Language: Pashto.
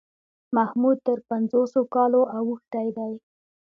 محمود تر پنځوسو کالو اوښتی دی.